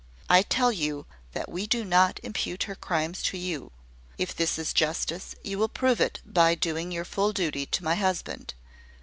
I tell you that we do not impute her crimes to you. If this is justice, you will prove it by doing your full duty to my husband.